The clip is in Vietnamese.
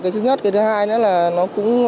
thứ nhất thứ hai là nó cũng